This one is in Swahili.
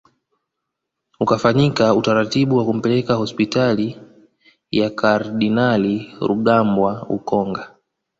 Ukafanyika utaratibu wa kumpeleka hospitali ya kardinali Rugambwa ukonga